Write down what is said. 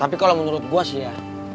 tapi kalau menurut gue sih ya